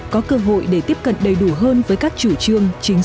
có cơ hội để tiếp cận đầy đủ hơn với các chủ trương